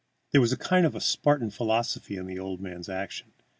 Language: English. There was a kind of Spartan philosophy in the old man's action.